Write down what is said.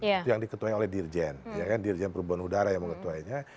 itu yang diketuai oleh dirjen dirjen perhubungan udara yang mengetuainya